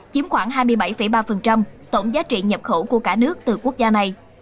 chiếm khoảng hai mươi bảy ba tổng giá trị nhập khẩu của cả nước từ quốc gia này